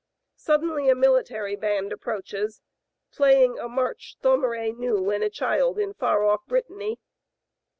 Suddenly a military band approaches, playing a march Thomeray knew when a child in far off Brittany.